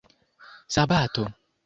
sabato